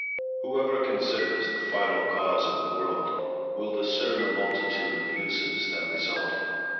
WHOEVER considers the final cause of the world, will discern a multitude of uses that result.